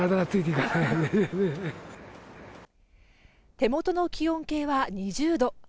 手元の気温計は２０度。